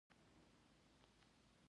د ګال سټون د صفرا ډبرې دي.